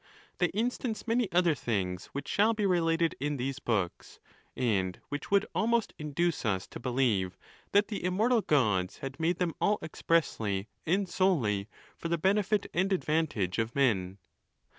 They instance many other things, which shall be, related in these books ; and which would almost induce us to believe that the immortal Gods had made them all expressly and solely for the benefit and ad vantage of men.